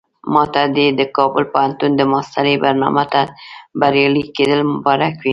ماته دې د کابل پوهنتون د ماسترۍ برنامې ته بریالي کېدل مبارک وي.